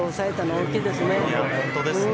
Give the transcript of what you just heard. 本当ですね。